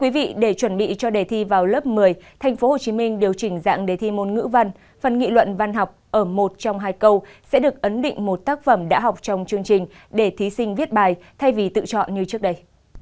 để chuẩn bị cho đề thi vào lớp một mươi tp hcm điều chỉnh dạng đề thi môn ngữ văn phần nghị luận văn học ở một trong hai câu sẽ được ấn định một tác phẩm đã học trong chương trình để thí sinh viết bài thay vì tự chọn như trước đây